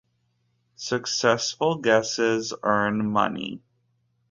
Successful guesses earn money.